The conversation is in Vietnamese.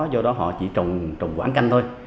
do đó họ chỉ trồng quảng canh thôi